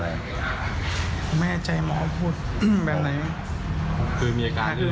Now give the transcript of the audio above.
เราอยากให้ดูแลความท้องของเมียตัวเองได้ดี